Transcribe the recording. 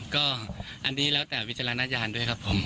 ก็อันนี้แล้วแต่วิจารณญาณด้วยครับผม